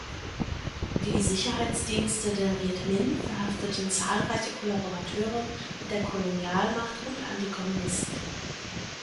Die Sicherheitsdienste der Viet Minh verhafteten zahlreiche Kollaborateure mit der Kolonialmacht und Antikommunisten.